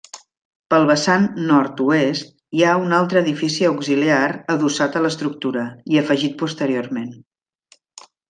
Pel vessant nord-oest hi ha un altre edifici auxiliar adossat a l'estructura, i afegit posteriorment.